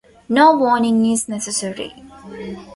No warning is necessary.